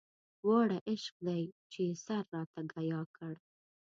واړه عشق دی چې يې سر راته ګياه کړ